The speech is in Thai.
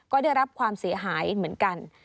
ก็ได้รับความเสียหายเหมือนกัน